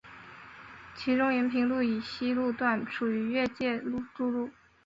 其中延平路以西路段属于越界筑路。